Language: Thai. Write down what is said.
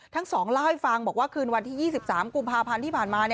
ทั้งสองเล่าให้ฟังบอกว่าคืนวันที่๒๓กุมภาพันธ์ที่ผ่านมา